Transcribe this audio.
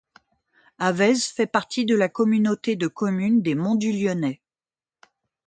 Aveize fait partie de la communauté de communes des monts du Lyonnais.